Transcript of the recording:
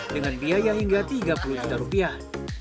dengan biaya hingga tiga puluh juta rupiah